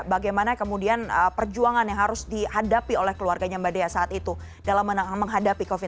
bagaimana kemudian perjuangan yang harus dihadapi oleh keluarganya mbak dea saat itu dalam menghadapi covid sembilan belas